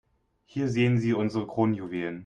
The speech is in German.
Hier sehen Sie unsere Kronjuwelen.